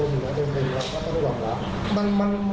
เมื่อคืนแค่คุยกันเท่า